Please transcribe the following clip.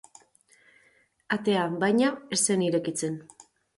Atea, baina, ez zen irekitzen.